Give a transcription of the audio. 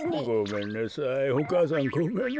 ごめんなさい。